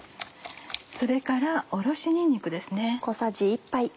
それからおろしにんにくです。